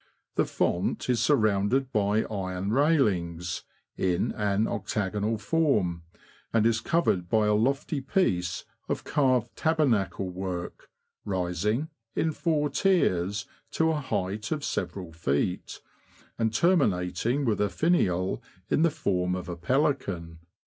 The font is surrounded by iron railings, in an octagonal form, and is covered by a lofty piece of carved tabernacle work, rising, in four tiers, to a height of several feet, and terminating with a finial in the form of a pelican.